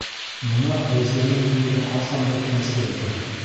Бына Фәүзиәнең күңеле ҡасан бер тынсыр икән?